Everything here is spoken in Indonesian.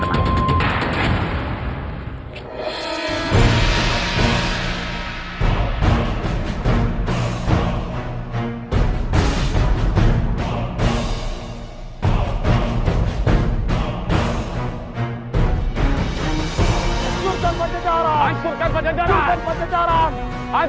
surga pada jarak